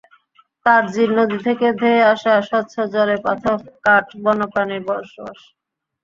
Virgin নদী থেকে ধেয়ে আসা স্বচ্ছ জলে পাথর, কাঠ, বন্যপ্রাণীর বসবাস।